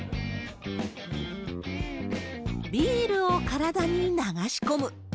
ビールを体に流し込む。